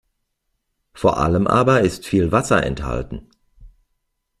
Vor allem aber ist viel Wasser enthalten.